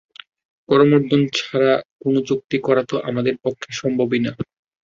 করমর্দন ছাড়া কোনও চুক্তি করা তো আমার পক্ষে সম্ভবই না!